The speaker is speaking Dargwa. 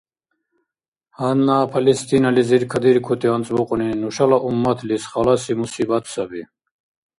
Гьанна Палестинализир кадиркути анцӀбукьуни нушала умматлис халаси мусибат саби.